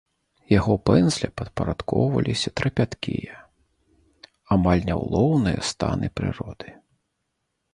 Яго пэндзля падпарадкоўваліся трапяткія, амаль няўлоўныя станы прыроды.